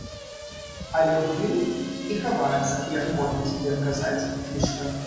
Але ў тым і хаваецца, як модна цяпер казаць, фішка.